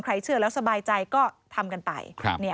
เชื่อแล้วสบายใจก็ทำกันไป